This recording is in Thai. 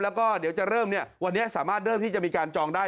แล้วก็เดี๋ยวจะเริ่มวันนี้สามารถเริ่มที่จะมีการจองได้